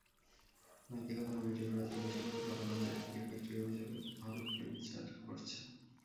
নৈতিকতা committee Brazil বিশ্বকাপে কালোবাজারে টিকিট বিক্রির অভিযোগে ভালকের বিচার করছে।